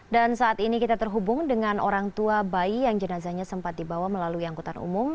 dan saat ini kita terhubung dengan orang tua bayi yang jenazahnya sempat dibawa melalui angkutan umum